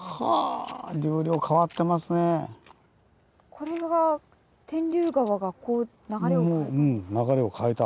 これが天竜川がこう流れを変えた。